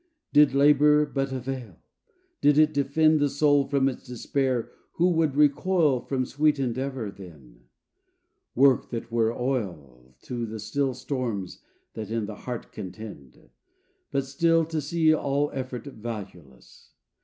Did labor but avail! did it defend The soul from its despair, who would recoil From sweet endeavor then? work that were oil To still the storms that in the heart contend! But still to see all effort valueless!